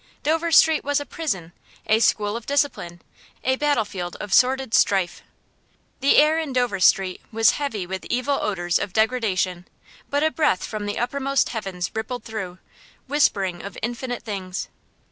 Dover Street was a prison, a school of discipline, a battlefield of sordid strife. The air in Dover Street was heavy with evil odors of degradation, but a breath from the uppermost heavens rippled through, whispering of infinite things.